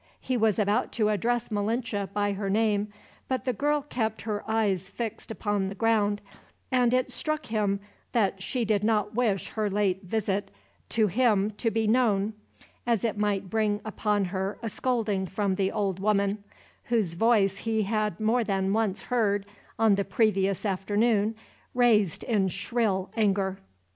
He was about to address Malinche by her name; but the girl kept her eyes fixed upon the ground, and it struck him that she did not wish her late visit to him to be known, as it might bring upon her a scolding from the old woman; whose voice he had more than once heard, on the previous afternoon, raised in shrill anger.